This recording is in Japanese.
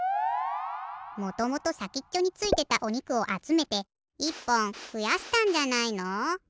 もともとさきっちょについてたおにくをあつめて１ぽんふやしたんじゃないの？